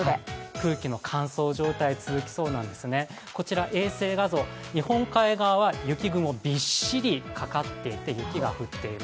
空気の乾燥状態が続いていきそうなんですね、こちらの衛星画像、日本海側雪雲びっしりかかっていて雪が降っている。